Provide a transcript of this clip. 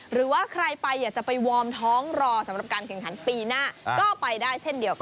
หรือว่าใครไปอยากจะไปวอร์มท้องรอสำหรับการแข่งขันปีหน้าก็ไปได้เช่นเดียวกัน